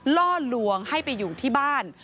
ล่อลวงให้ไปอยู่ที่บ้าน